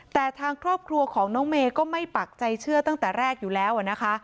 แต่ทางครอบครัวของน้องเมย์ก็ไม่ปักใจเชื่อตั้งแต่แรกอยู่แล้วนะคะ